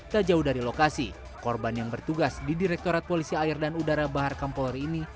tak jauh dari lokasi korban yang bertugas di direktorat polisi air dan udara bahar kampolri ini